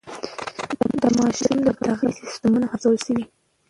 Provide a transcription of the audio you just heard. د ماشومانو د تغذیې سیستمونه ارزول شوي.